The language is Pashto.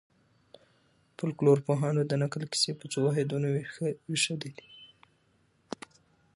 فولکلورپوهانو د نکل کیسې په څو واحدونو وېشلي دي.